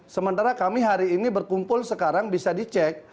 sementara kami hari ini berkumpul sekarang bisa dicek